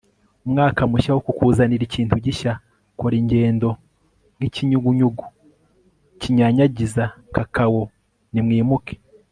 umwaka mushya wo kukuzanira ikintu gishya, kora ingendo, nk'ikinyugunyugu kinyanyagiza kakao! nimwimuke